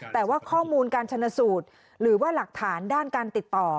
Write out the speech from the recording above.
แต่ว่าข้อมูลการชนสูตรหรือว่าหลักฐานด้านการติดต่อ